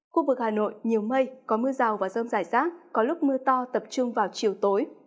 khu vực hà nội nhiều mây có mưa rào và rông rải rác có lúc mưa to tập trung vào chiều tối